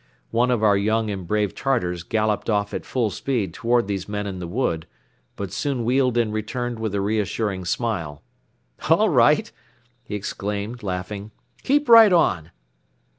One of our young and brave Tartars galloped off at full speed toward these men in the wood but soon wheeled and returned with a reassuring smile. "All right," he exclaimed, laughing, "keep right on."